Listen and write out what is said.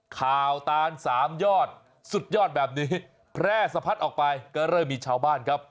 ข่าวตานสามยอดสุดยอดแบบนี้แพร่สะพัดออกไปก็เริ่มมีชาวบ้านครับ